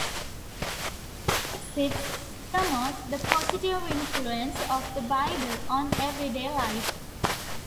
It exists to promote the positive influence of the Bible on everyday life.